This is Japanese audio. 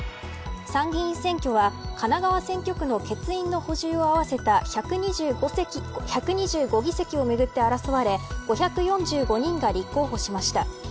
参議院選挙は神奈川選挙区の欠員の補充を合わせた１２５議席をめぐって争われ５４５人が立候補しました。